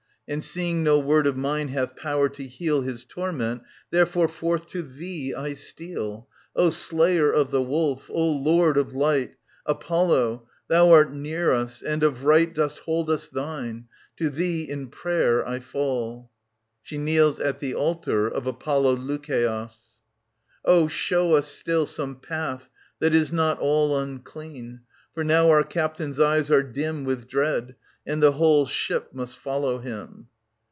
And seeing no word of mine hath power to heal His torment, therefore forth to thee I steal, O Slayer of the Wolf, O Lord of Light, Apollo : thou art near us, and of right Dost hold us thine : to thee in prayer I fall. l^She kneels at the altar of Apollo Lukeios. Oh, show us still some path that is not all Unclean ; for now our captain's eyes are dim With dread, and the whole ship must follow him.